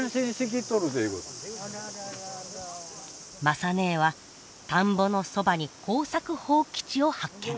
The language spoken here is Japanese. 雅ねえは田んぼのそばに耕作放棄地を発見。